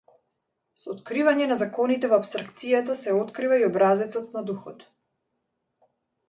Со откривање на законите во апстракцијата се открива образецот на духот.